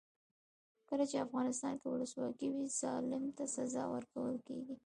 کله چې افغانستان کې ولسواکي وي ظالم ته سزا ورکول کیږي.